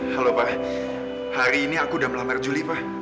halo pak hari ini aku udah melamar juli pak